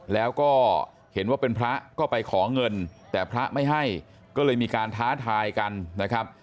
แล้วก็เห็นว่าเป็นพระก็ไปขอเงินแต่พระไม่ให้ก็เลยมีการท้าทายกันนะครับ